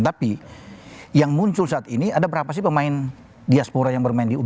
tapi yang muncul saat ini ada berapa sih pemain diaspora yang bermain di ugm